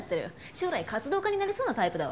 将来活動家になりそうなタイプだわ。